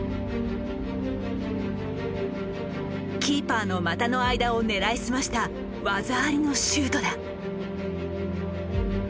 キーパーの股の間を狙いすました技ありのシュートだ。